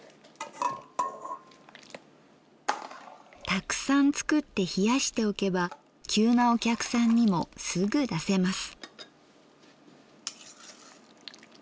たくさん作って冷やしておけば急なお客さんにもすぐ出せます。